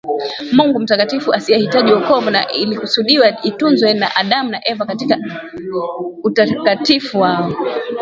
Mungu mtakatifu asiyehitaji wokovu na ilikusudiwa itunzwe na Adam na Eva katika utakatifu wao